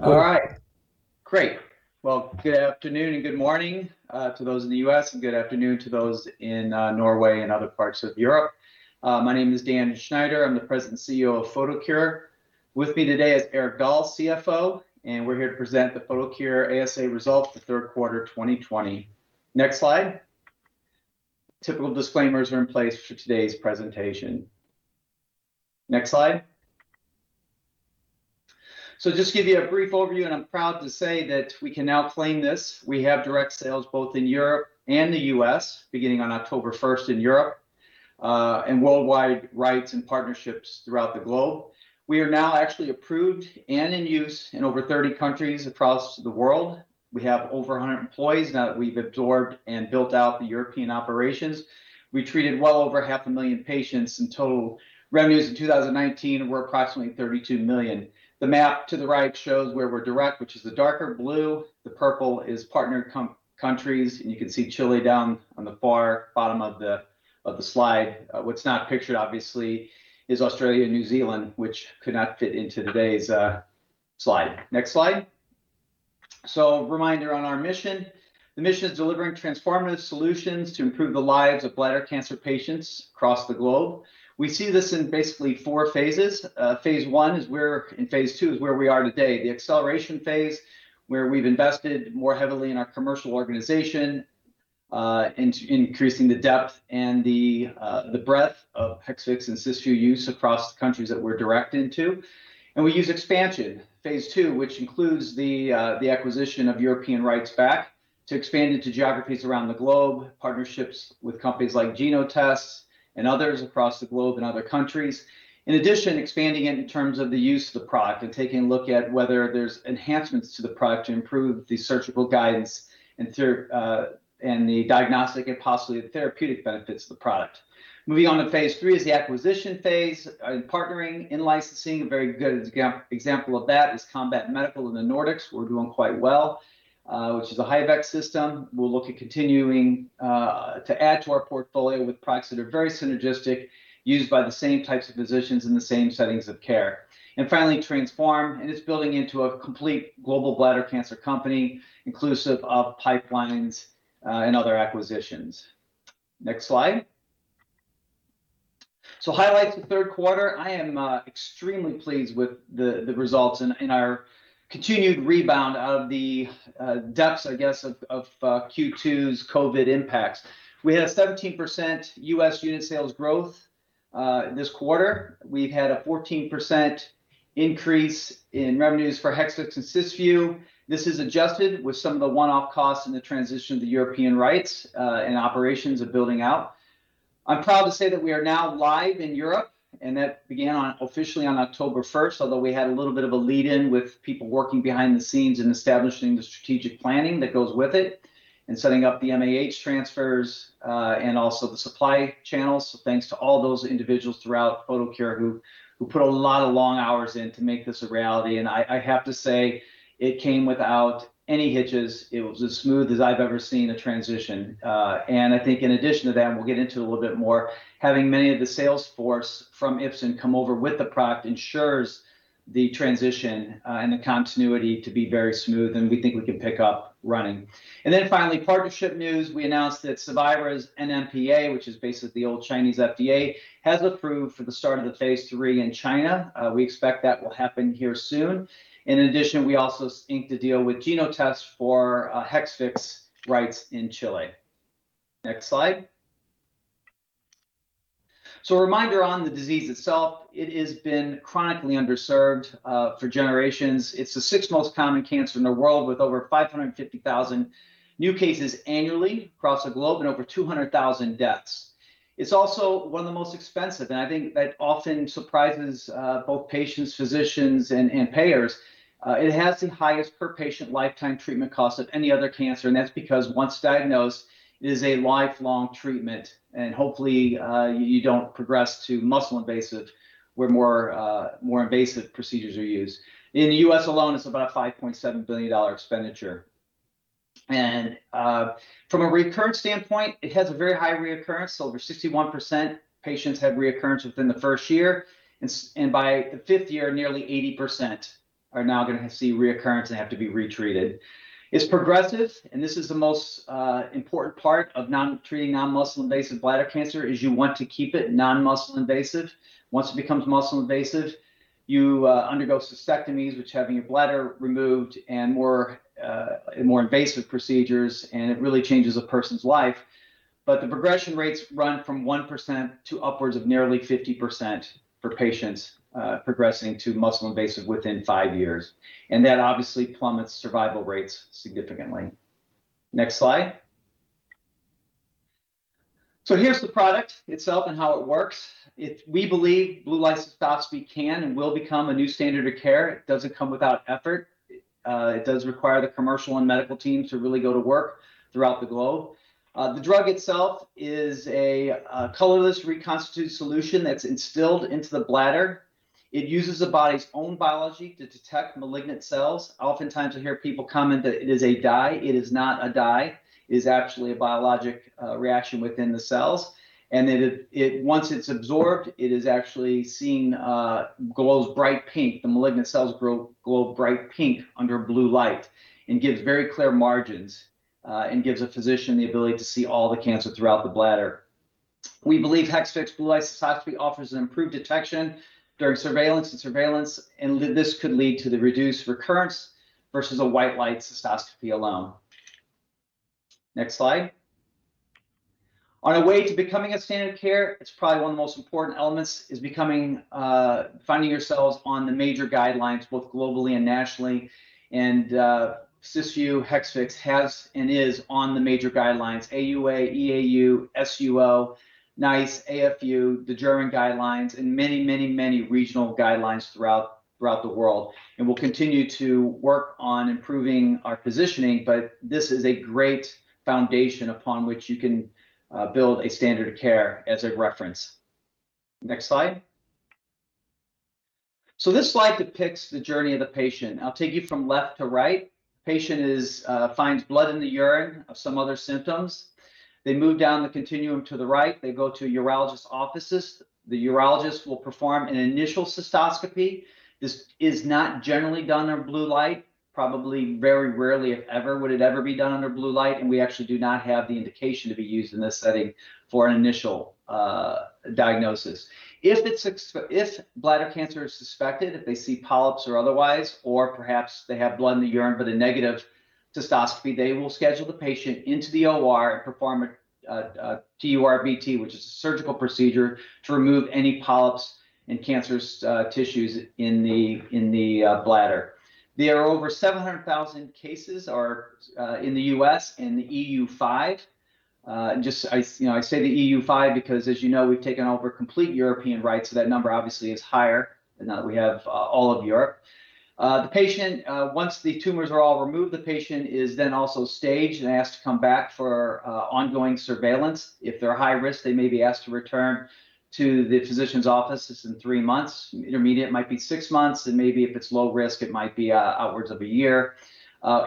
All right. Great. Good afternoon and good morning to those in the U.S., and good afternoon to those in Norway and other parts of Europe. My name is Dan Schneider, I'm the President and CEO of Photocure. With me today is Erik Dahl, CFO, and we're here to present the Photocure ASA results for third quarter 2020. Next slide. Typical disclaimers are in place for today's presentation. Next slide. Just to give you a brief overview, and I'm proud to say that we can now claim this, we have direct sales both in Europe and the U.S., beginning on October 1st in Europe, and worldwide rights and partnerships throughout the globe. We are now actually approved and in use in over 30 countries across the world. We have over 100 employees now that we've absorbed and built out the European operations. We treated well over half a million patients. Total revenues in 2019 were approximately 32 million. The map to the right shows where we're direct, which is the darker blue. The purple is partnered countries. You can see Chile down on the far bottom of the slide. What's not pictured, obviously, is Australia and New Zealand, which could not fit into today's slide. Next slide. Reminder on our mission. The mission is delivering transformative solutions to improve the lives of bladder cancer patients across the globe. We see this in basically four phases. Phase I and phase II are where we are today, the acceleration phase, where we've invested more heavily in our commercial organization, increasing the depth and the breadth of Hexvix and Cysview use across the countries that we're directly in. We use expansion, phase II, which includes the acquisition of European rights to expand into geographies around the globe, partnerships with companies like Genotests and others across the globe, and other countries. In addition, expanding it in terms of the use of the product and taking a look at whether there are enhancements to the product to improve the surgical guidance and the diagnostic and possibly the therapeutic benefits of the product. Moving on to phase III is the acquisition phase and partnering, in-licensing. A very good example of that is Combat Medical in the Nordics. We're doing quite well, which is an HIVEC system. We'll look at continuing to add to our portfolio with products that are very synergistic, used by the same types of physicians in the same settings of care. Finally, transform, and it's building into a complete global bladder cancer company, inclusive of pipelines and other acquisitions. Next slide. Highlights for the third quarter. I am extremely pleased with the results and our continued rebound out of the depths, I guess, of Q2's COVID impacts. We had a 17% U.S. unit sales growth this quarter. We've had a 14% increase in revenues for Hexvix and Cysview. This is adjusted with some of the one-off costs in the transition of the European rights and operations of building out. I'm proud to say that we are now live in Europe, and that began officially on October 1st, although we had a little bit of a lead-in with people working behind the scenes and establishing the strategic planning that goes with it and setting up the MAH transfers and also the supply channels. Thanks to all those individuals throughout Photocure who put a lot of long hours in to make this a reality, and I have to say, it came without any hitches. It was as smooth as I've ever seen a transition. I think in addition to that—and we'll get into it a little bit more—having many of the sales force from Ipsen come over with the product ensures the transition and the continuity to be very smooth, and we think we can pick up running. Finally, partnership news. We announced that Asieris NMPA, which is basically the old Chinese FDA, has approved for the start ofthe phase III in China. We expect that will happen here soon. In addition, we also inked a deal with Genotests for Hexvix rights in Chile. Next slide. A reminder on the disease itself. It has been chronically underserved for generations. It's the sixth most common cancer in the world, with over 550,000 new cases annually across the globe and over 200,000 deaths. It's also one of the most expensive. I think that often surprises both patients and physician and payers. It has the highest per-patient lifetime treatment cost of any other cancer. That's because once diagnosed, it is a lifelong treatment. Hopefully you don't progress to muscle invasive, where more invasive procedures are used. In the U.S. alone, it's about a $5.7 billion expenditure. From a recurrence standpoint, it has a very high recurrence. Over 61% of patients have recurrence within the first year. By the fifth year, nearly 80% are now going to see recurrence and have to be retreated. It's progressive, and this is the most important part of treating Non-Muscle Invasive Bladder Cancer: you want to keep it non-muscle invasive. Once it becomes muscle invasive, you undergo cystectomies, which is having your bladder removed, and more invasive procedures, and it really changes a person's life. The progression rates run from 1% to upwards of nearly 50% for patients progressing to muscle invasive within five years, and that obviously plummets survival rates significantly. Next slide. Here's the product itself and how it works. We believe blue light cystoscopy can and will become a new standard of care. It doesn't come without effort. It does require the commercial and medical teams to really go to work throughout the globe. The drug itself is a colorless, reconstituted solution that's instilled into the bladder. It uses the body's own biology to detect malignant cells. Oftentimes, we hear people comment that it is a dye. It is not a dye. It is actually a biologic reaction within the cells, and once it is absorbed, it is actually seen glowing bright pink. The malignant cells glow bright pink under blue light and give very clear margins. Gives a physician the ability to see all the cancer throughout the bladder. We believe Hexvix blue light cystoscopy offers improved detection during surveillance, and this could lead to reduced recurrence versus a white light cystoscopy alone. Next slide. On our way to becoming a standard of care, it is probably one of the most important elements, finding ourselves on the major guidelines, both globally and nationally. Cysview Hexvix has and is on the major guidelines: AUA, EAU, SUO, NICE, AFU, the German guidelines, and many regional guidelines throughout the world. We'll continue to work on improving our positioning, but this is a great foundation upon which you can build a standard of care as a reference. Next slide. This slide depicts the journey of the patient. I'll take you from left to right. Patient finds blood in the urine and some other symptoms. They move down the continuum to the right. They go to urologist offices. The urologist will perform an initial cystoscopy. This is not generally done under blue light. Probably very rarely, if ever, would it ever be done under blue light. We actually do not have the indication to be used in this setting for an initial diagnosis. If bladder cancer is suspected, if they see polyps or otherwise, or perhaps they have blood in the urine but a negative cystoscopy, they will schedule the patient into the OR and perform a TURBT, which is a surgical procedure to remove any polyps and cancerous tissues in the bladder. There are over 700,000 cases in the U.S. and the EU5. I say the EU5 because, as you know, we've taken over complete European rights, so that number obviously is higher now that we have all of Europe. Once the tumors are all removed, the patient is then also staged and asked to come back for ongoing surveillance. If they're high risk, they may be asked to return to the physician's office in three months. Intermediate might be six months, and maybe if it's low risk, it might be outwards of a year.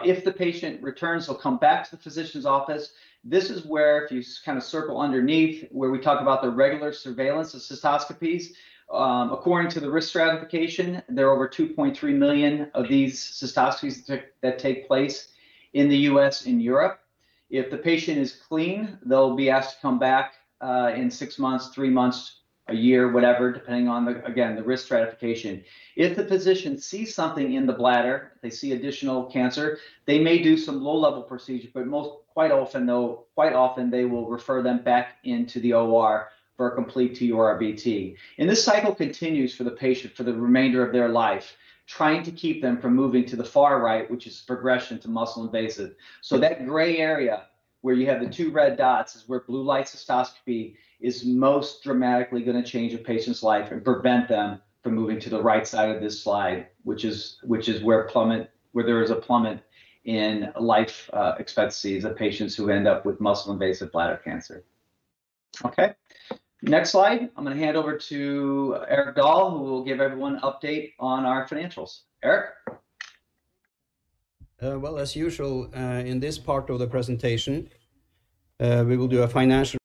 If the patient returns, he'll come back to the physician's office. This is where, if you circle underneath, we talk about the regular surveillance of cystoscopies. According to the risk stratification, there are over 2.3 million of these cystoscopies that take place in the U.S. and Europe. If the patient is clean, they'll be asked to come back in six months, three months, a year, whatever, depending on, again, the risk stratification. If the physician sees something in the bladder and they see additional cancer, they may do some low-level procedure, but quite often they will refer them back into the OR for a complete TURBT. This cycle continues for the patient for the remainder of their life, trying to keep them from moving to the far right, which is progression to muscle invasive. That gray area where you have the two red dots is where blue light cystoscopy is most dramatically going to change a patient's life and prevent them from moving to the right side of this slide, which is where there is a plummet in life expectancies of patients who end up with Non-Muscle Invasive Bladder Cancer. Okay. Next slide. I'm going to hand over to Erik Dahl, who will give everyone an update on our financials. Erik? Well, as usual, in this part of the presentation, we will do a financial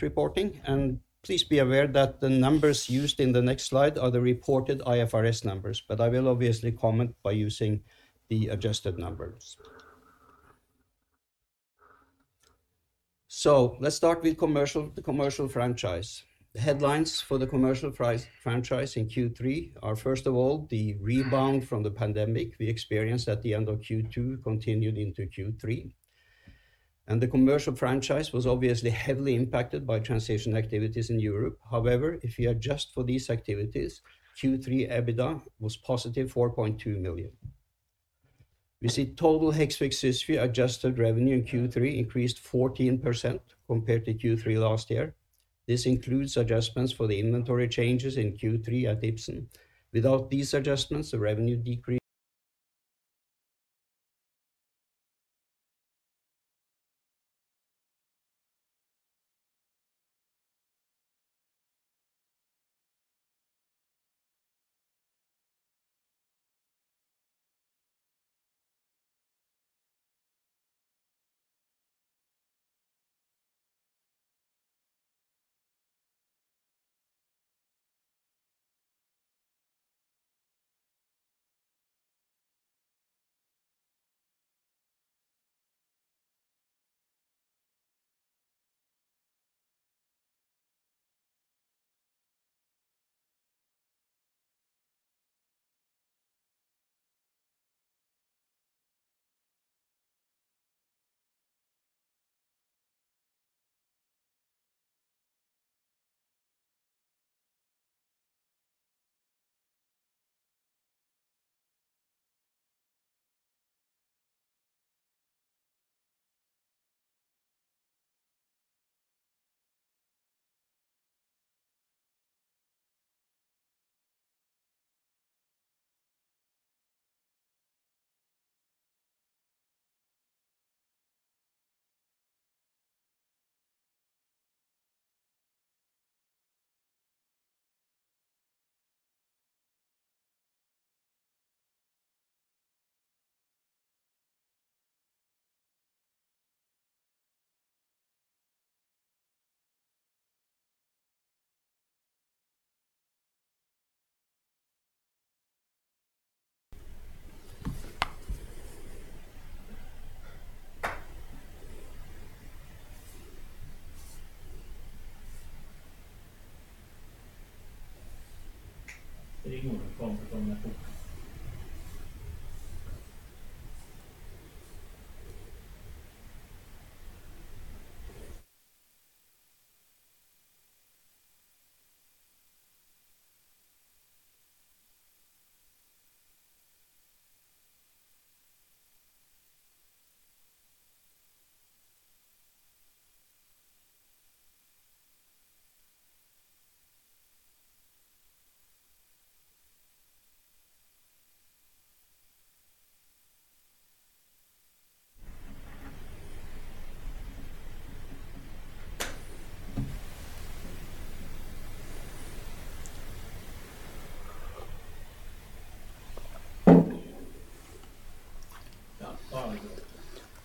report. Please be aware that the numbers used in the next slide are the reported IFRS numbers, but I will obviously comment by using the adjusted numbers. Let's start with the commercial franchise. The headlines for the commercial franchise in Q3 are, first of all, the rebound from the pandemic we experienced at the end of Q2 continued into Q3. The commercial franchise was obviously heavily impacted by transition activities in Europe. However, if you adjust for these activities, Q3 EBITDA was positive 4.2 million. We see total Hexvix adjusted revenue in Q3 increased 14% compared to Q3 last year. This includes adjustments for the inventory changes in Q3 at Ipsen. Without these adjustments, the revenue decreased.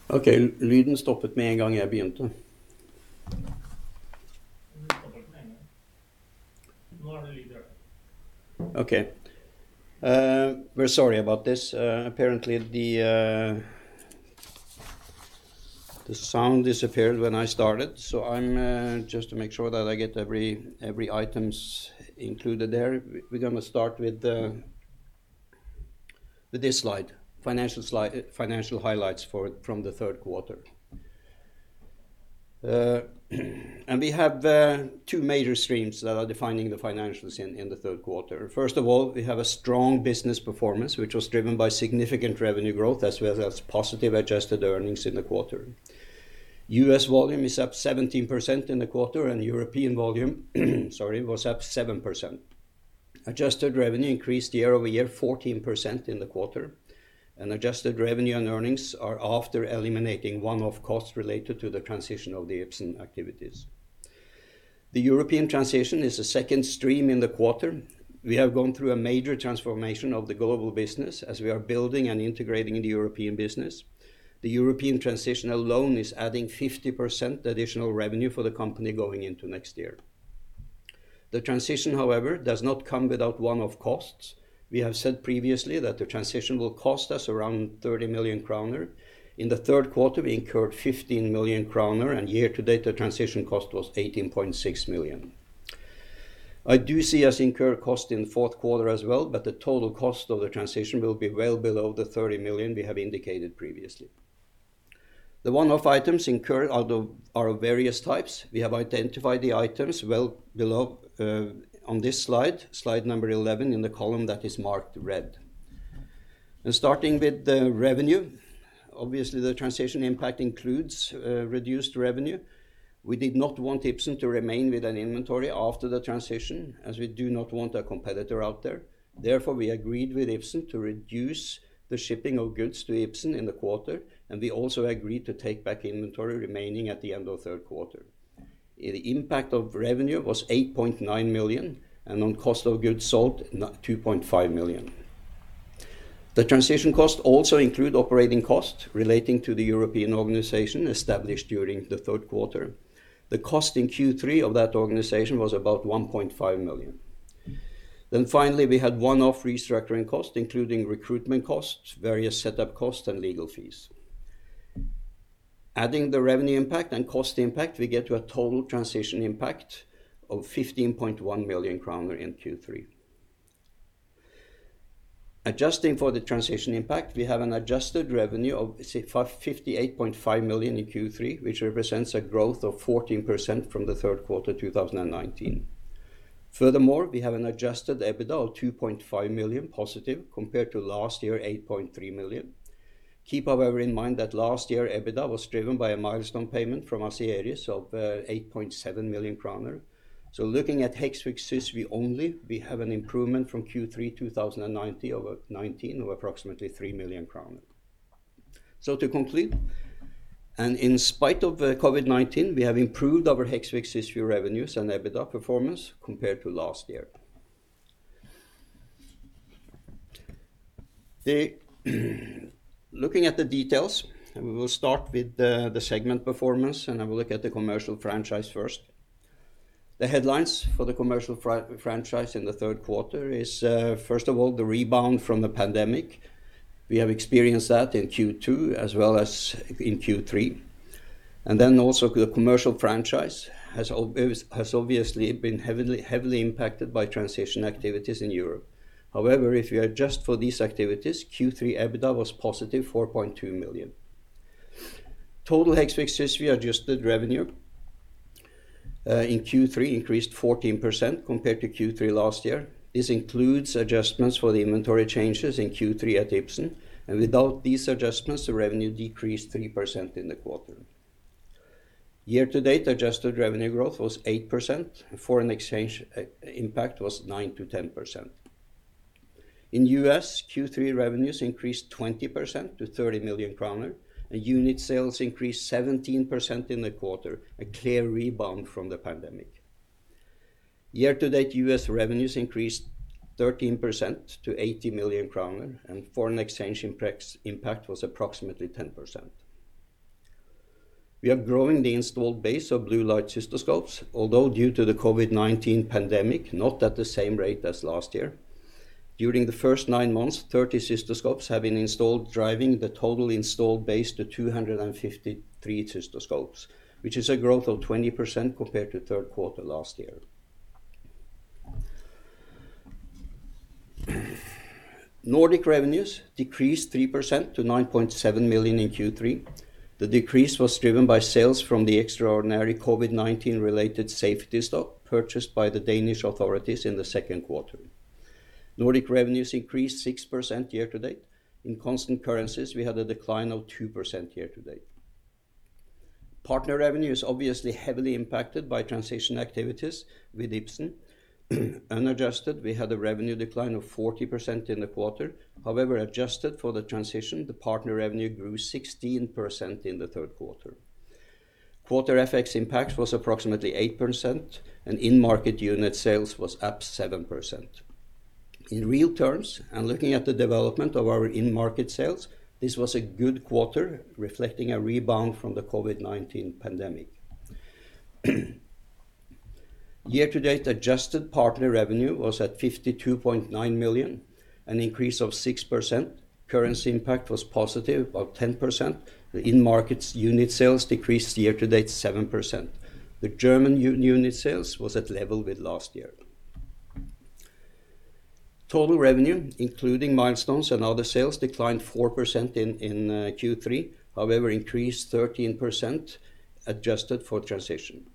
Okay. We are sorry about this. Apparently, the sound disappeared when I started. Just to make sure that I get every item included there, we're going to start with this slide, financial highlights from the third quarter. We have two major streams that are defining the financials in the third quarter. First of all, we have a strong business performance, which was driven by significant revenue growth as well as positive adjusted earnings in the quarter. U.S. volume is up 17% in the quarter, and European volume was up 7%. Adjusted revenue increased year-over-year 14% in the quarter, and adjusted revenue and earnings are after eliminating one-off costs related to the transition of the Ipsen activities. The European transition is the second stream in the quarter. We have gone through a major transformation of the global business as we are building and integrating the European business. The European transition alone is adding 50% additional revenue for the company going into next year. The transition, however, does not come without one-off costs. We have said previously that the transition will cost us around 30 million kroner. In the third quarter, we incurred 15 million kroner, and year-to-date, the transition cost was 18.6 million. I do see us incurring costs in the fourth quarter as well, but the total cost of the transition will be well below the 30 million we have indicated previously. The one-off items incurred are of various types. We have identified the items well below on this slide number 11, in the column that is marked red. Starting with the revenue, obviously, the transition impact includes reduced revenue. We did not want Ipsen to remain with an inventory after the transition, as we do not want a competitor out there. We agreed with Ipsen to reduce the shipping of goods to Ipsen in the quarter, and we also agreed to take back inventory remaining at the end of the third quarter. The impact of revenue was 8.9 million, and on cost of goods sold, 2.5 million. The transition costs also include operating costs relating to the European organization established during the third quarter. The cost in Q3 of that organization was about 1.5 million. Finally, we had one-off restructuring costs, including recruitment costs, various setup costs, and legal fees. Adding the revenue impact and cost impact, we get to a total transition impact of 15.1 million kroner in Q3. Adjusting for the transition impact, we have an adjusted revenue of 58.5 million in Q3, which represents a growth of 14% from the third quarter of 2019. Furthermore, we have an adjusted EBITDA of 2.5 million positive, compared to last year, 8.3 million. Keep, however, in mind that last year, EBITDA was driven by a milestone payment from Ascletis of 8.7 million kroner. Looking at Hexvix Systems only, we have an improvement from Q3 2019 of approximately 3 million crowns. To conclude, and in spite of COVID-19, we have improved our Hexvix Systems revenues and EBITDA performance compared to last year. Looking at the details, we will start with the segment performance, and I will look at the commercial franchise first. The headline for the commercial franchise in the third quarter is, first of all, the rebound from the pandemic. We have experienced that in Q2 as well as in Q3. Then also the commercial franchise has obviously been heavily impacted by transition activities in Europe. However, if we adjust for these activities, Q3 EBITDA was positive 4.2 million. Total Hexvix Systems adjusted revenue in Q3 increased 14% compared to Q3 last year. This includes adjustments for the inventory changes in Q3 at Ipsen, and without these adjustments, the revenue decreased 3% in the quarter. Year-to-date, adjusted revenue growth was 8%, and foreign exchange impact was 9%-10%. In the U.S., Q3 revenues increased 20% to 30 million kroner. Unit sales increased 17% in the quarter, a clear rebound from the pandemic. Year-to-date, U.S. revenues increased 13% to 80 million kroner, and foreign exchange impact was approximately 10%. We are growing the installed base of blue light cystoscopes, although due to the COVID-19 pandemic, not at the same rate as last year. During the first nine months, 30 cystoscopes have been installed, driving the total installed base to 253 cystoscopes, which is a growth of 20% compared to the third quarter last year. Nordic revenues decreased 3% to 9.7 million in Q3. The decrease was driven by sales from the extraordinary COVID-19-related safety stock purchased by the Danish authorities in the second quarter. Nordic revenues increased 6% year-to-date. In constant currencies, we had a decline of 2% year-to-date. Partner revenue is obviously heavily impacted by transition activities with Ipsen. Unadjusted, we had a revenue decline of 40% in the quarter. Adjusted for the transition, the partner revenue grew 16% in the third quarter. Quarter FX impact was approximately 8%, and in-market unit sales were up 7%. In real terms, looking at the development of our in-market sales, this was a good quarter, reflecting a rebound from the COVID-19 pandemic. Year-to-date, adjusted partner revenue was at 52.9 million, an increase of 6%. Currency impact was positive, about 10%. The in-market unit sales decreased year-to-date by 7%. The German unit sales were at the same level as last year. Total revenue, including milestones and other sales, declined 4% in Q3; however, it increased 13% adjusted for transition.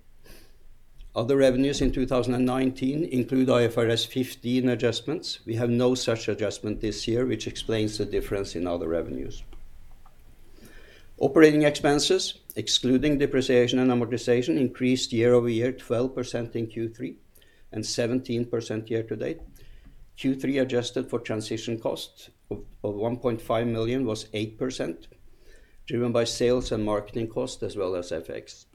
Other revenues in 2019 include IFRS 15 adjustments. We have no such adjustment this year, which explains the difference in other revenues. Operating expenses, excluding depreciation and amortization, increased year-over-year 12% in Q3 and 17% year-to-date. Q3 adjusted for transition costs of 1.5 million was 8%. Driven by sales and marketing costs as well as FX.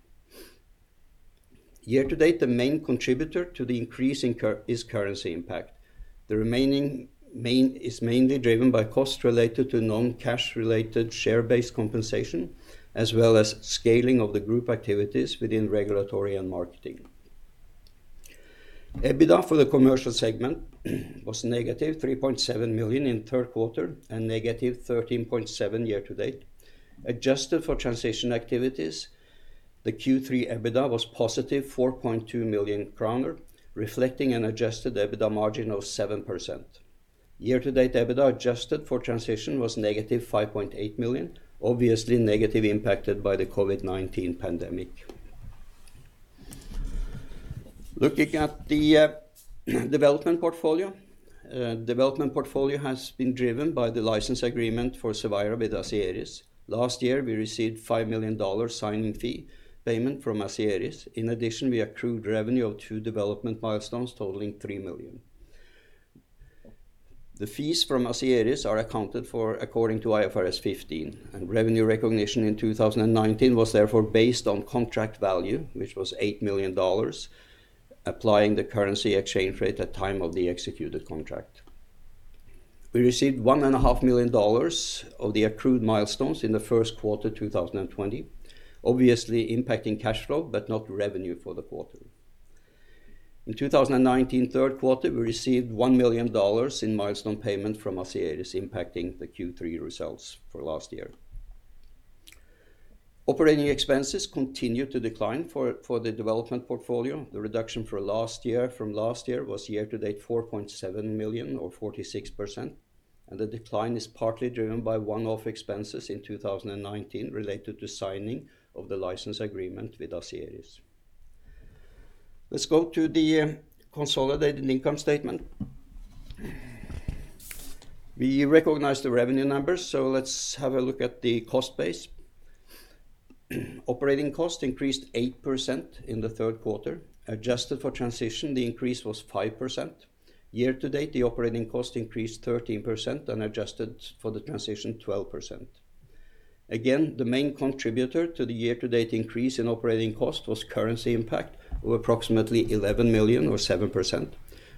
Year-to-date, the main contributor to the increase is currency impact. The remaining is mainly driven by costs related to non-cash-related share-based compensation, as well as scaling of the group activities within regulatory and marketing. EBITDA for the commercial segment was negative 3.7 million in the third quarter and negative 13.7 million year-to-date. Adjusted for transition activities, the Q3 EBITDA was positive 4.2 million kroner, reflecting an adjusted EBITDA margin of 7%. Year-to-date, EBITDA adjusted for transition was negative 5.8 million, obviously negatively impacted by the COVID-19 pandemic. Looking at the development portfolio. Development portfolio has been driven by the license agreement for Cevira with Asieris. Last year, we received a $5 million signing fee payment from Asieris. In addition, we accrued revenue of two development milestones totaling 3 million. The fees from Asieris are accounted for according to IFRS 15. Revenue recognition in 2019 was therefore based on contract value, which was $8 million, applying the currency exchange rate at the time of the executed contract. We received $1.5 million of the accrued milestones in the first quarter of 2020, obviously impacting cash flow but not revenue for the quarter. In the third quarter of 2019, we received $1 million in milestone payment from Asieris, impacting the Q3 results for last year. Operating expenses continued to decline for the development portfolio. The reduction from last year was year-to-date 4.7 million or 46%. The decline is partly driven by one-off expenses in 2019 related to the signing of the license agreement with Asieris. Let's go to the consolidated income statement. We recognize the revenue numbers. Let's have a look at the cost base. Operating costs increased 8% in the third quarter. Adjusted for transition, the increase was 5%. Year-to-date, the operating cost increased 13%, and adjusted for the transition, 12%. Again, the main contributor to the year-to-date increase in operating cost was the currency impact of approximately 11 million, or 7%.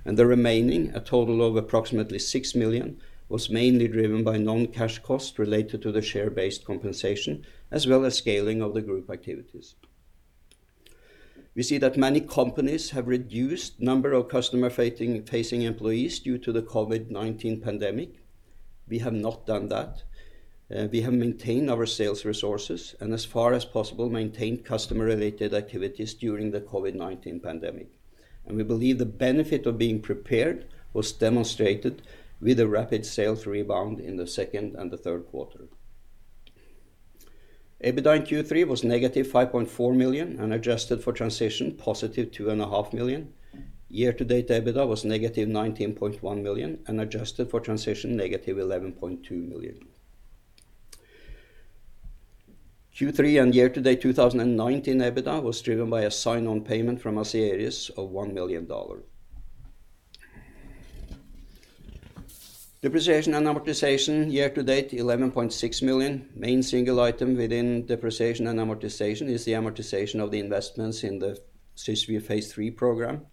The remaining, a total of approximately 6 million, was mainly driven by non-cash costs related to the share-based compensation as well as scaling of the group activities. We see that many companies have reduced the number of customer-facing employees due to the COVID-19 pandemic. We have not done that. We have maintained our sales resources and, as far as possible, maintained customer-related activities during the COVID-19 pandemic. We believe the benefit of being prepared was demonstrated with a rapid sales rebound in the second and the third quarter. EBITDA in Q3 was negative 5.4 million and adjusted for transition, positive 2.5 million. Year-to-date, EBITDA was negative 19.1 million, and adjusted for transition, negative 11.2 million. Q3 and year-to-date 2019 EBITDA was driven by a sign-on payment from Asieris of $1 million. Depreciation and amortization year-to-date: 11.6 million. Main single item within depreciation and amortization is the amortization of the investments in the Cysview phase III program.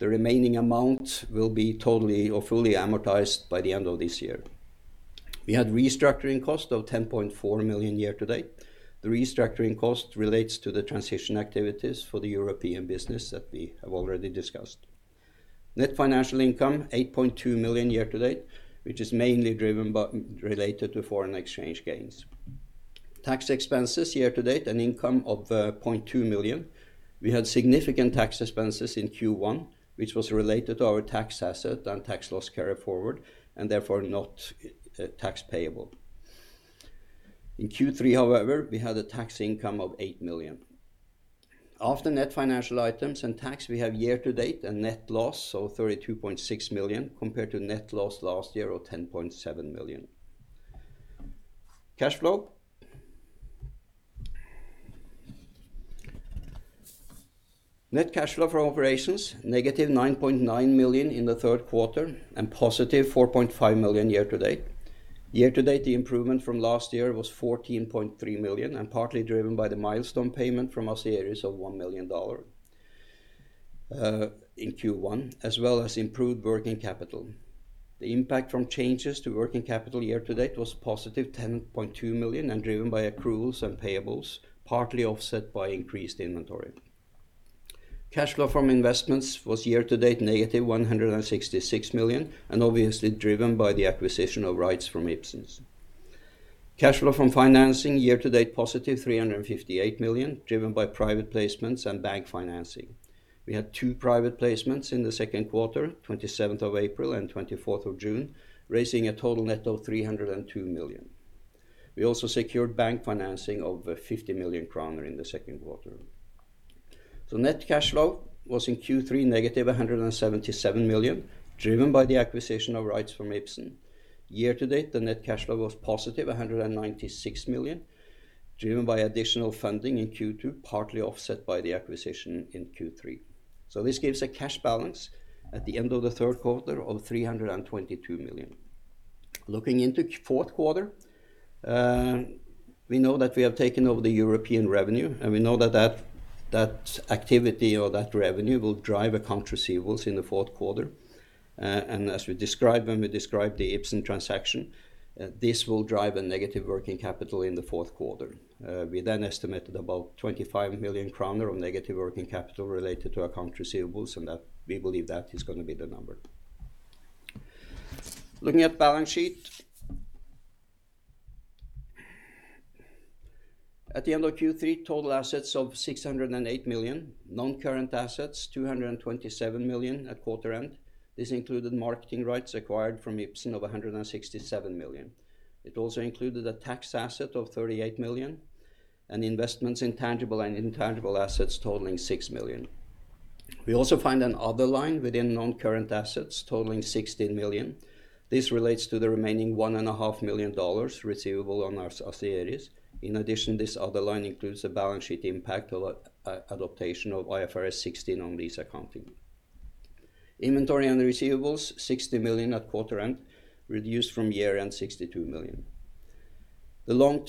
The remaining amount will be totally or fully amortized by the end of this year. We had restructuring costs of 10.4 million year-to-date. The restructuring cost relates to the transition activities for the European business that we have already discussed. Net financial income, 8.2 million year-to-date, which is mainly driven by and related to foreign exchange gains. Tax expenses year-to-date, an income of 0.2 million. We had significant tax expenses in Q1, which were related to our tax asset and tax loss carryforward and therefore not tax payable. In Q3, however, we had a tax income of 8 million. After net financial items and tax, we have year-to-date a net loss of 32.6 million compared to a net loss last year of 10.7 million. Cash flow. Net cash flow from operations was negative 9.9 million in the third quarter and positive 4.5 million year-to-date. Year-to-date, the improvement from last year was 14.3 million and partly driven by the milestone payment from Asieris of $1 million in Q1, as well as improved working capital. The impact from changes to working capital year-to-date was positive 10.2 million and driven by accruals and payables, partly offset by increased inventory. Cash flow from investments was year-to-date negative 166 million, obviously driven by the acquisition of rights from Ipsen. Cash flow from financing year-to-date is positive 358 million, driven by private placements and bank financing. We had two private placements in the second quarter, 27th of April and 24th of June, raising a total net of 302 million. We also secured bank financing of 50 million kroner in the second quarter. Net cash flow was negative 177 million in Q3, driven by the acquisition of rights from Ipsen. Year-to-date, the net cash flow was positive 196 million, driven by additional funding in Q2, partly offset by the acquisition in Q3. This gives a cash balance at the end of the third quarter of 322 million. Looking into the fourth quarter, we know that we have taken over the European revenue, and we know that activity, or that revenue, will drive account receivables in the fourth quarter. As we described when we described the Ipsen transaction, this will drive a negative working capital in the fourth quarter. We then estimated about 25 million kroner of negative working capital related to account receivables, and we believe that is going to be the number. Looking at the balance sheet. At the end of Q3, total assets of 608 million. Non-current assets 227 million at quarter-end. This included marketing rights acquired from Ipsen of 167 million. It also included a tax asset of 38 million and investments in tangible and intangible assets totaling 6 million. We also find another line within non-current assets totaling 16 million. This relates to the remaining $1.5 million receivable on our associates. In addition, this other line includes a balance sheet impact of the adoption of IFRS 16 on lease accounting. Inventory and receivables are 60 million at quarter end, reduced from year-end 62 million. The loan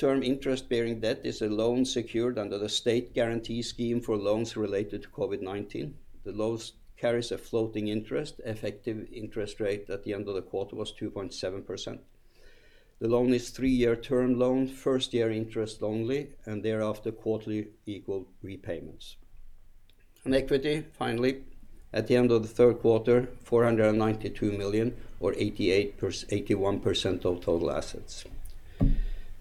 carries a floating interest. Effective interest rate at the end of the quarter was 2.7%. Thereafter, quarterly equal repayments. Equity, finally, at the end of the third quarter, 492 million or 81% of total assets.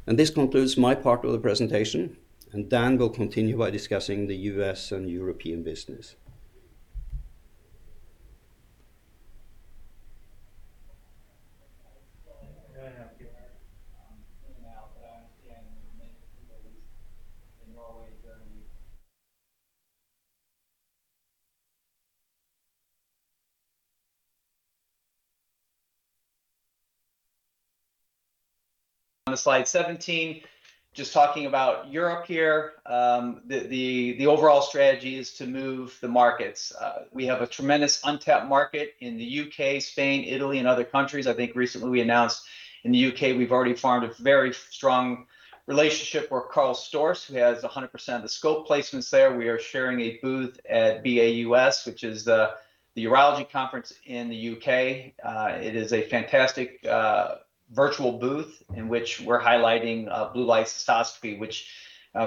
This concludes my part of the presentation, and Dan will continue by discussing the U.S. and European business. On slide 17, just talking about Europe here. The overall strategy is to move the markets. We have a tremendous untapped market in the U.K., Spain, Italy, and other countries. I think recently we announced in the U.K. we've already formed a very strong relationship with KARL STORZ, who has 100% of the scope placements there. We are sharing a booth at BAUS, which is the urology conference in the U.K. It is a fantastic virtual booth in which we're highlighting blue light cystoscopy, which,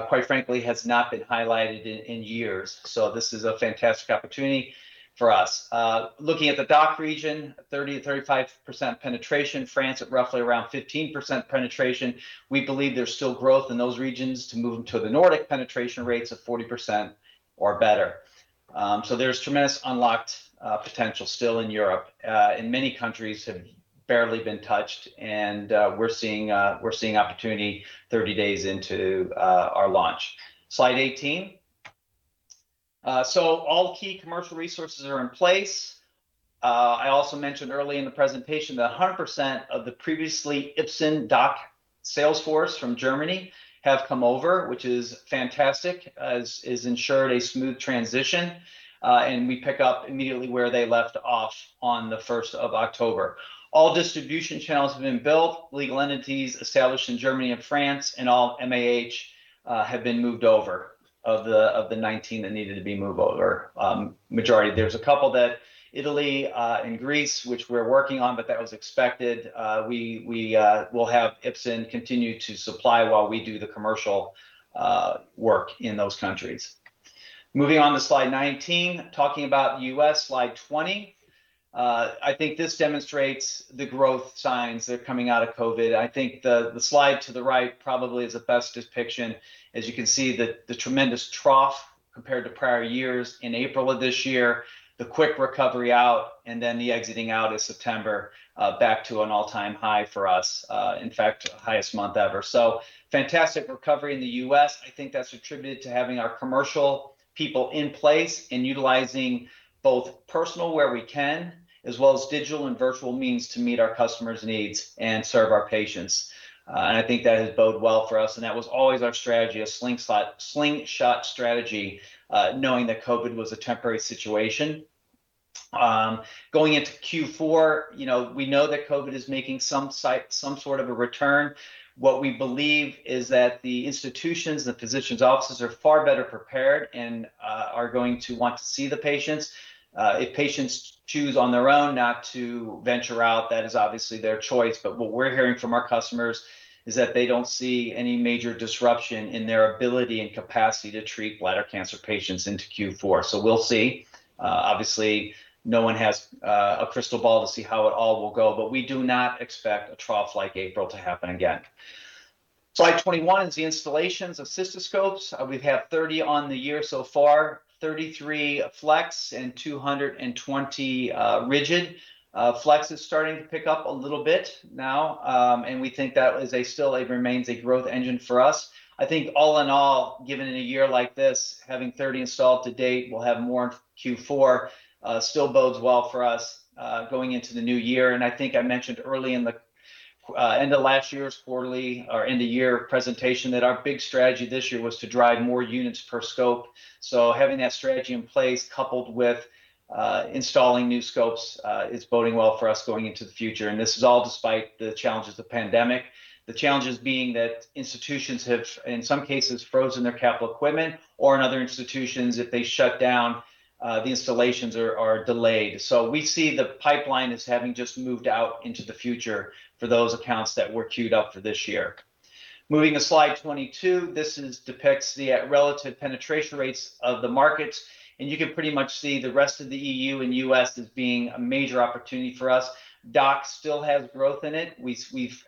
quite frankly, has not been highlighted in years. This is a fantastic opportunity for us. Looking at the DACH region, 30%-35% penetration. France at roughly around 15% penetration. We believe there's still growth in those regions to move them to the Nordic penetration rates of 40% or better. There's tremendous unlocked potential still in Europe. Many countries have barely been touched, and we're seeing opportunity 30 days into our launch. Slide 18. All key commercial resources are in place. I also mentioned early in the presentation that 100% of the previous Ipsen DACH sales force from Germany has come over, which is fantastic, as it has ensured a smooth transition. We pick up immediately where they left off on the 1st of October. All distribution channels have been built, legal entities established in Germany and France, and all MAHs have been moved over of the 19 that needed to be moved over. Majority. There's a couple in Italy and Greece, which we're working on, but that was expected. We'll have Ipsen continue to supply while we do the commercial work in those countries. Moving on to slide 19. Talking about the U.S., slide 20. I think this demonstrates the growth signs that are coming out of COVID. I think the slide to the right probably is the best depiction. As you can see, the tremendous trough compared to prior years in April of this year, the quick recovery out, and then the exiting out of September back to an all-time high for us. In fact, the highest month ever. Fantastic recovery in the U.S. I think that's attributed to having our commercial people in place and utilizing both personal where we can, as well as digital and virtual means to meet our customers' needs and serve our patients. I think that has bode well for us, and that was always our strategy, a slingshot strategy, knowing that COVID was a temporary situation. Going into Q4, we know that COVID is making some sort of a return. What we believe is that the institutions, the physicians' offices, are far better prepared and are going to want to see the patients. If patients choose on their own not to venture out, that is obviously their choice. What we're hearing from our customers is that they don't see any major disruption in their ability and capacity to treat bladder cancer patients into Q4. We'll see. Obviously, no one has a crystal ball to see how it all will go, but we do not expect a trough like April to happen again. Slide 21 is the installation of cystoscopes. We have 30 on the year so far, 33 flex, and 220 rigid. Flex is starting to pick up a little bit now, and we think that still remains a growth engine for us. I think all in all, given a year like this, having 30 installed to date, we'll have more in Q4, and still bodes well for us going into the new year. I think I mentioned early in the end of last year's quarterly or end-of-year presentation that our big strategy this year was to drive more units per scope. Having that strategy in place, coupled with installing new scopes, is boding well for us going into the future. This is all despite the challenges of the pandemic. The challenges are that institutions have, in some cases, frozen their capital equipment, or in other institutions, if they shut down, the installations are delayed. We see the pipeline as having just moved out into the future for those accounts that were queued up for this year. Moving to slide 22, this depicts the relative penetration rates of the markets, and you can pretty much see the rest of the EU and U.S. as being a major opportunity for us. DACH still has growth in it. We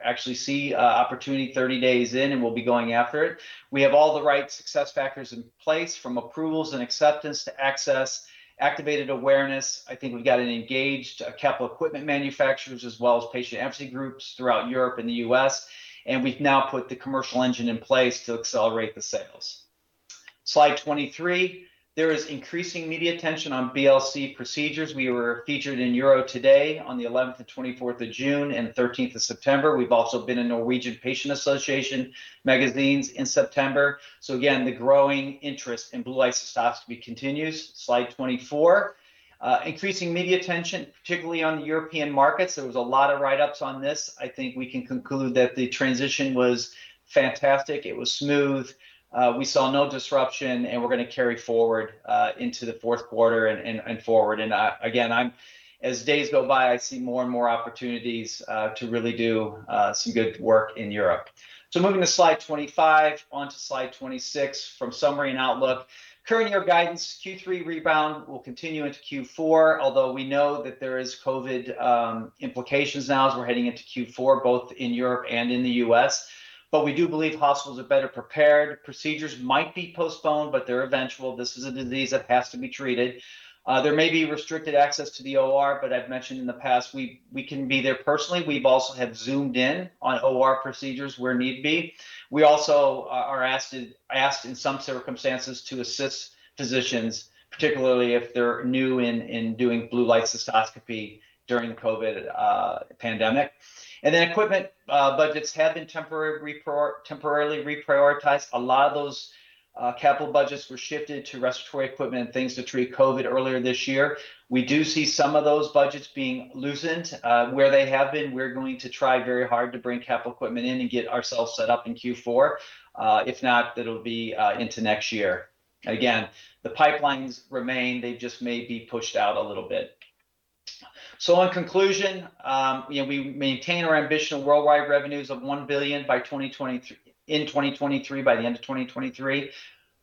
actually see opportunity 30 days in, and we'll be going after it. We have all the right success factors in place, from approvals and acceptance to access and activated awareness. I think we've got engaged capital equipment manufacturers as well as patient advocacy groups throughout Europe and the U.S., and we've now put the commercial engine in place to accelerate the sales. Slide 23. There is increasing media attention on BLC procedures. We were featured in UroToday on the 11th and 24th of June and the 13th of September. We've also been in Norwegian Patient Association magazines in September. Again, the growing interest in blue light cystoscopy continues. Slide 24. Increasing media attention, particularly on the European markets. There was a lot of write-ups on this. I think we can conclude that the transition was fantastic. It was smooth. We saw no disruption, and we're going to carry forward into the fourth quarter and forward. Again, as days go by, I see more and more opportunities to really do some good work in Europe. Moving to slide 25. On to slide 26 from summary and outlook. Current year guidance: Q3 rebound will continue into Q4, although we know that there are COVID implications now as we're heading into Q4, both in Europe and in the U.S. We do believe hospitals are better prepared. Procedures might be postponed, but they're eventual. This is a disease that has to be treated. There may be restricted access to the OR, but as I've mentioned in the past, we can be there personally. We've also Zoomed in on OR procedures where need be. We also are asked in some circumstances to assist physicians, particularly if they're new to doing blue light cystoscopy during the COVID pandemic. Equipment budgets have been temporarily reprioritized. A lot of those capital budgets were shifted to respiratory equipment and things to treat COVID earlier this year. We do see some of those budgets being loosened. Where they have been, we're going to try very hard to bring capital equipment in and get ourselves set up in Q4. If not, it'll be into next year. Again, the pipelines remain. They just may be pushed out a little bit. In conclusion, we maintain our ambition of worldwide revenues of 1 billion in 2023, by the end of 2023.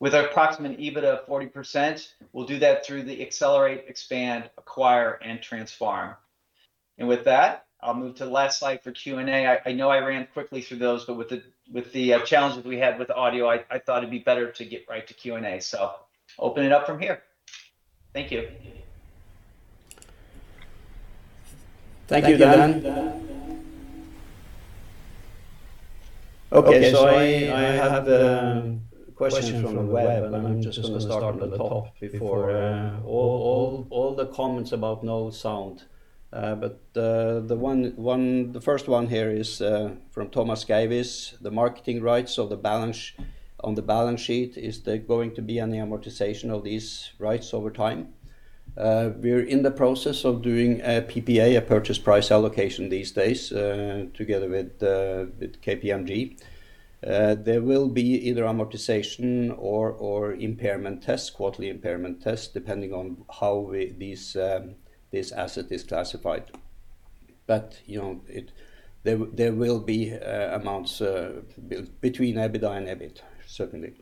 With our approximate EBITDA of 40%, we'll do that through the accelerate, expand, acquire, and transform. With that, I'll move to the last slide for Q&A. I know I ran quickly through those, with the challenges we had with audio, I thought it'd be better to get right to Q&A. Open it up from here. Thank you. Thank you, Dan. I have the question from the web. I'm just going to start at the top before all the comments about no sound. The first one here is from Thomas Gaivis. The marketing rights on the balance sheet, is there going to be any amortization of these rights over time? We're in the process of doing a PPA, a Purchase Price Allocation, these days together with KPMG. There will be either an amortization or impairment test, or a quarterly impairment test, depending on how this asset is classified. There will be amounts between EBITDA and EBIT certainly.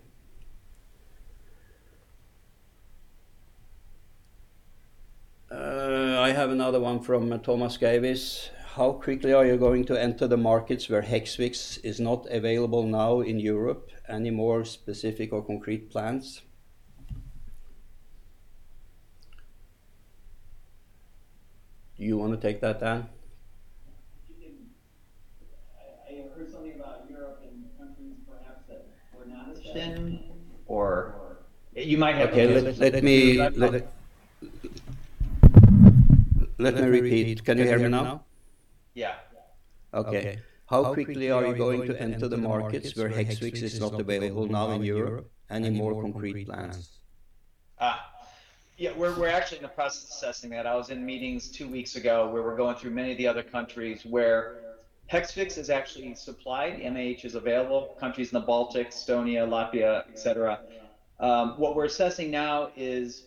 I have another one from Thomas Gaivis. How quickly are you going to enter the markets where Hexvix is not available now in Europe? Any more specific or concrete plans? Do you want to take that, Dan? I heard something about Europe and countries, perhaps that were not as bad. Okay, let me repeat. Can you hear me now? Yeah. Okay. How quickly are you going to enter the markets where Hexvix is not available now in Europe? Any more concrete plans? Yeah, we're actually in the process of assessing that. I was in meetings two weeks ago where we're going through many of the other countries where Hexvix is actually supplied. MAH is available. Countries in the Baltics, Estonia, Latvia, et cetera. What we're assessing now is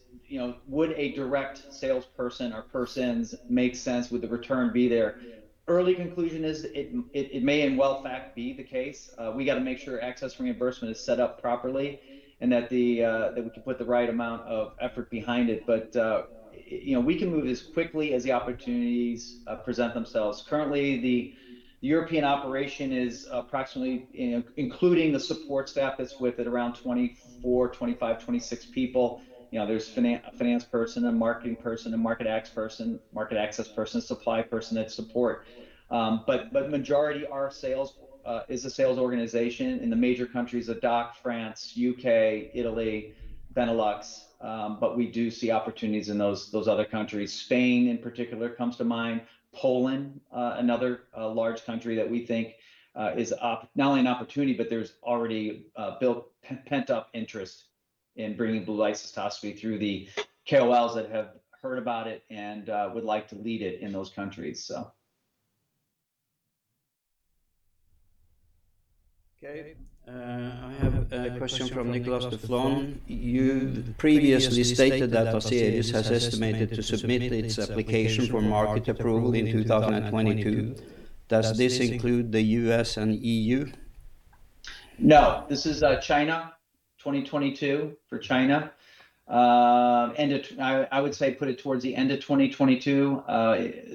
whether a direct salesperson or persons would make sense. Would the return be there? Early conclusion is it may well in fact be the case. We have to make sure access reimbursement is set up properly and that we can put the right amount of effort behind it. We can move as quickly as the opportunities present themselves. Currently, the European operation is approximately, including the support staff that's with it, around 24, 25, or 26 people. There's a finance person, a marketing person, a market access person, and a supply person that support. Majority is a sales organization in the major countries of DACH, France, the U.K., Italy, and Benelux. We do see opportunities in those other countries. Spain, in particular, comes to mind. Poland, another large country that we think is not only an opportunity, but there's already a built-up pent-up interest in bringing blue light cystoscopy through the KOLs that have heard about it and would like to lead it in those countries. Okay. I have a question from Nicolas Deflon. You previously stated that Asieris is estimated to submit its application for market approval in 2022. Does this include the U.S. and EU? This is China, 2022, for China. I would say put it towards the end of 2022,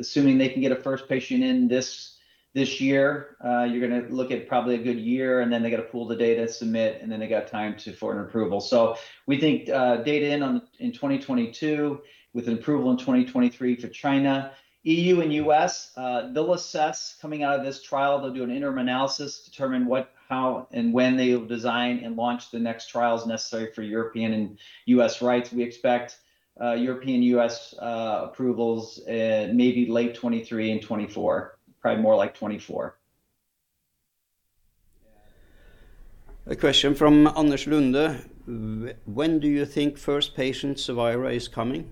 assuming they can get a first patient in this year. You're going to look at probably a good year, then they have to pool the data, submit, and then they have time for an approval. We think data in 2022 with an approval in 2023 for China. EU and U.S., they'll assess coming out of this trial. They'll do an interim analysis and determine what, how, and when they will design and launch the next trials necessary for European and U.S. rights. We expect European-U.S. approvals maybe late 2023 and 2024, probably more like 2024. A question from Anders Lunde. When do you think the first patient, Cevira, is coming?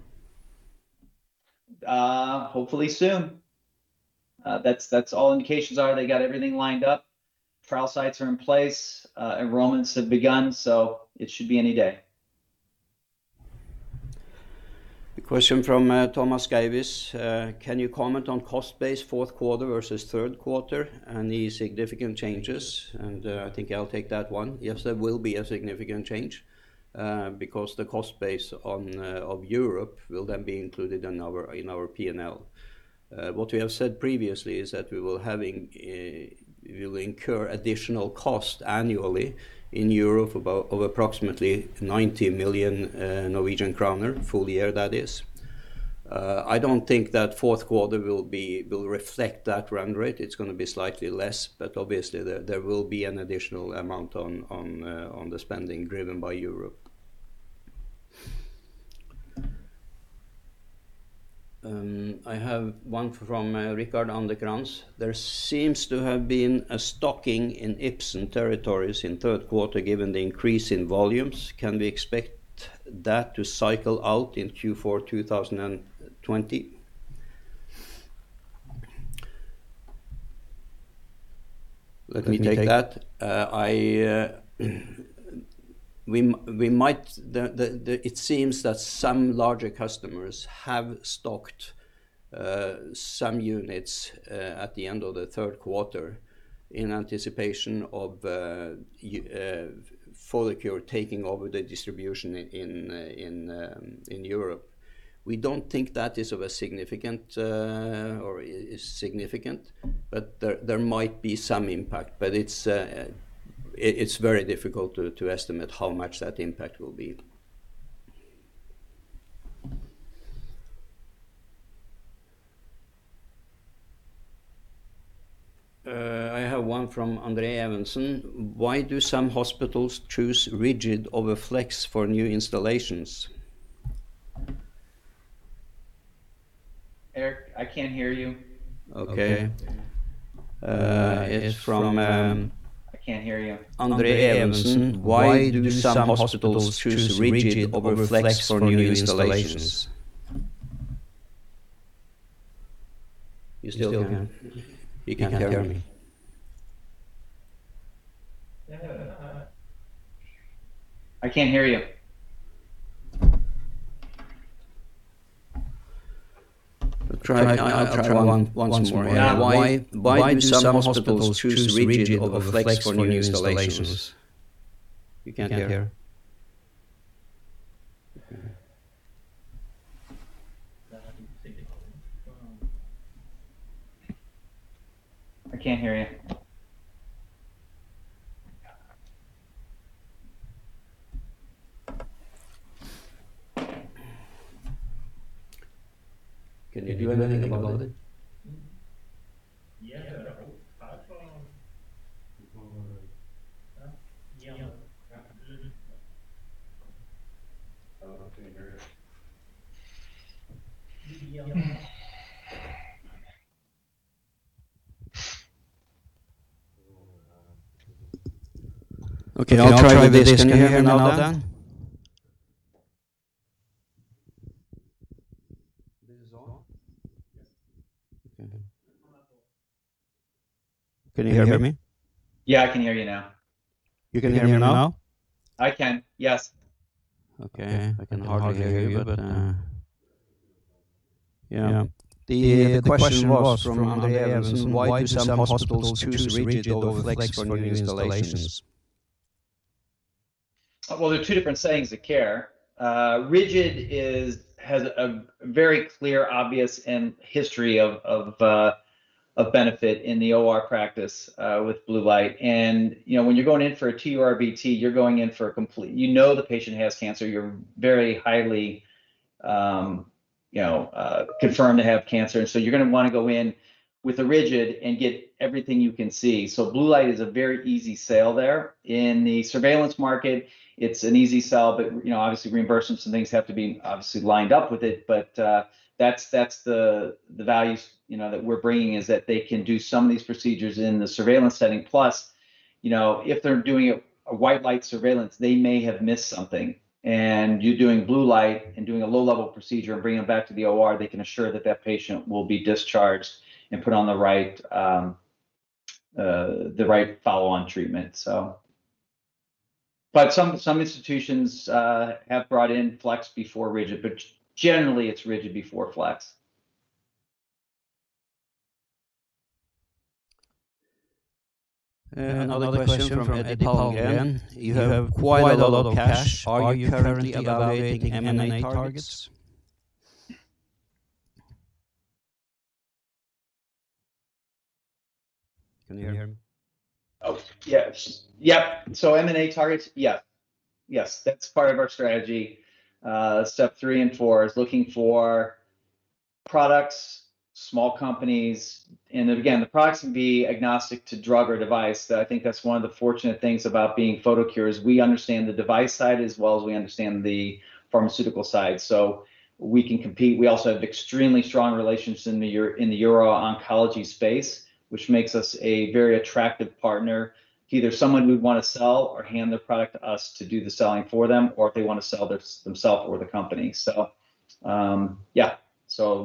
Hopefully soon. That's all the indications there are. They got everything lined up. Trial sites are in place. Enrollments have begun. It should be any day. A question from Thomas Gaivis. Can you comment on the cost base in the fourth quarter versus the third quarter and the significant changes? I think I'll take that one. Yes, there will be a significant change because the cost base of Europe will then be included in our P&L. What we have said previously is that we will incur additional costs annually in Europe of approximately 90 million Norwegian kroner, for the full year, that is. I don't think that the fourth quarter will reflect that run rate. It's going to be slightly less, but obviously there will be an additional amount on the spending driven by Europe. I have one from Rickard Anderkrans. There seems to have been a stocking in Ipsen territories in the third quarter given the increase in volumes. Can we expect that to cycle out in Q4 2020? Let me take that. It seems that some larger customers have stocked some units at the end of the third quarter in anticipation of Photocure taking over the distribution in Europe. We don't think that is significant, but there might be some impact. It's very difficult to estimate how much that impact will be. I have one from Andre Evensen. Why do some hospitals choose rigid over flex for new installations? Erik, I can't hear you. Okay. It's. I can't hear you. Why do some hospitals choose rigid over flex for new installations? You still can't hear me. I can't hear you. I'll try once more. Why do some hospitals choose rigid over flex for new installations? You can't hear? I can't hear you. Can you do anything about it? Yeah. Okay, I'll try with this. Can you hear me now then? This is on? Yes. Okay. Can you hear me? Yeah, I can hear you now. You can hear me now? I can, yes. Okay. I can hardly hear you. The question was from Andre Evensen: Why do some hospitals choose rigid over flex for new installations? Well, they're two different settings of care. Rigid has a very clear, obvious, and long history of benefit in the OR practice with blue light. When you're going in for a TURBT, you know the patient has cancer. You're very highly confirmed to have cancer. You're going to want to go in with a rigid and get everything you can see. Blue light is a very easy sell there. In the surveillance market, it's an easy sell, but obviously reimbursements and things have to be obviously lined up with it. That's the value that we're bringing, that they can do some of these procedures in the surveillance setting. If they're doing a white light surveillance, they may have missed something, and you doing blue light and doing a low-level procedure and bringing them back to the OR, they can assure that that patient will be discharged and put on the right follow-on treatment. Some institutions have brought in flex before rigid, but generally it's rigid before flex. Another question from Eddie Palmgren. You have quite a lot of cash. Are you currently evaluating M&A targets? Can you hear me? Oh, yes. M&A targets, yes. That's part of our strategy. Step three and four are looking for products and small companies, and again, the products can be agnostic to drugs or devices. I think that's one of the fortunate things about being at Photocure. WE understand the device side as well as we understand the pharmaceutical side. We can compete. We also have extremely strong relationships in the Uro-oncology space, which makes us a very attractive partner to either someone who'd want to sell or hand their product to us to do the selling for them, or if they want to sell themselves or the company. We'll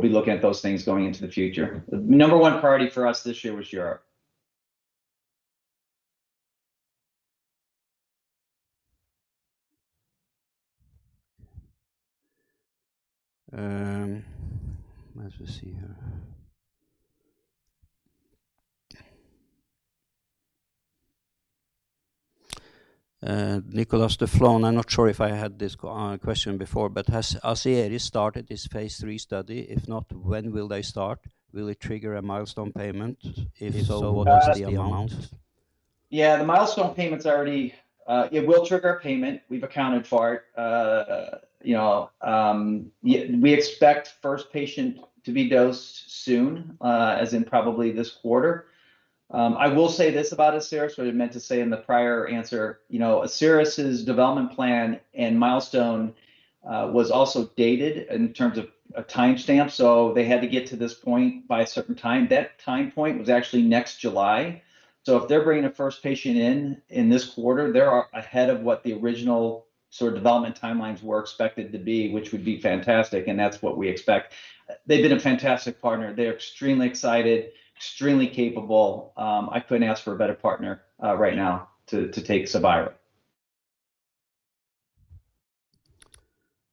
be looking at those things going into the future. The number one priority for us this year was Europe. Let's just see here. Nicolas Deflon, I'm not sure if I had this question before, but Has Asieris started its phase III study? If not, when will they start? Will it trigger a milestone payment? If so, what is the amount? It will trigger a payment. We've accounted for it. We expect the first patient to be dosed soon, as in probably this quarter. I will say this about Asieris: what I meant to say in the prior answer. Asieris' development plan and milestone were also dated in terms of a timestamp. They had to get to this point by a certain time. That time point was actually next July. If they're bringing a first patient in in this quarter, they are ahead of what the original development timelines were expected to be, which would be fantastic, and that's what we expect. They've been a fantastic partner. They're extremely excited and extremely capable. I couldn't ask for a better partner right now to take Cevira.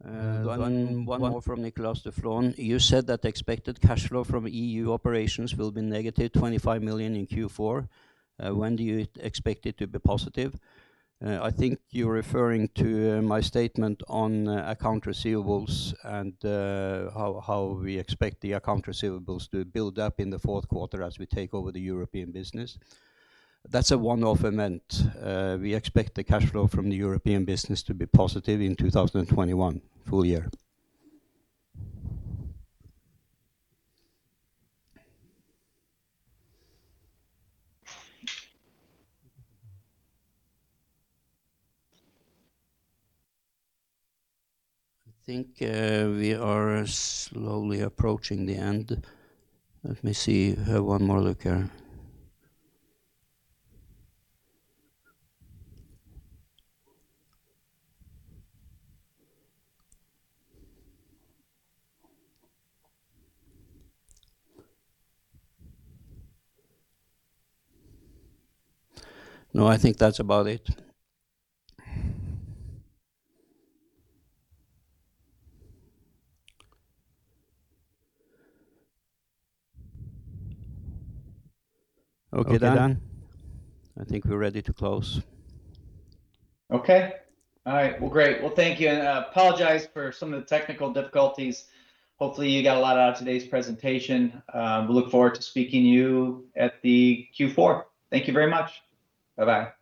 One more from Nicolas Deflon. You said that expected cash flow from EU operations will be negative 25 million in Q4. When do you expect it to be positive? I think you're referring to my statement on account receivables and how we expect the account receivables to build up in the fourth quarter as we take over the European business. That's a one-off event. We expect the cash flow from the European business to be positive in 2021 for the full year. I think we are slowly approaching the end. Let me see. Have one more look here. No, I think that's about it. Okay, Dan. I think we're ready to close. Okay. All right. Great. Thank you, and I apologize for some of the technical difficulties. Hopefully, you got a lot out of today's presentation. We look forward to speaking to you at Q4. Thank you very much. Bye-bye.